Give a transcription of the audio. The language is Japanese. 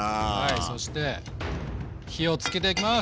そして火をつけていきます！